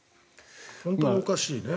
本当におかしいね。